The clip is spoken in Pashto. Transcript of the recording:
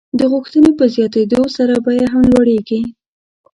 د غوښتنې په زیاتېدو سره بیه هم لوړېږي.